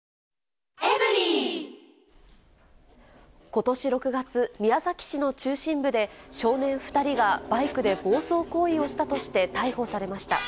ことし６月、宮崎市の中心部で、少年２人がバイクで暴走行為をしたとして逮捕されました。